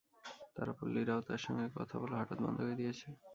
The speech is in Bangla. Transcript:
তার ওপর লিরাও তার সঙ্গে কথা বলা হঠাৎ বন্ধ করে দিয়েছে।